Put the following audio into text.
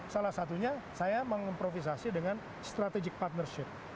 salah satunya saya mengimprovisasi dengan strategic partnership